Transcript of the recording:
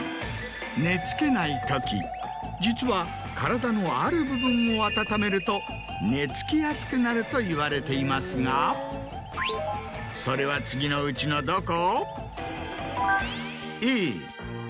実は体のある部分を温めると寝つきやすくなるといわれていますがそれは次のうちのどこ？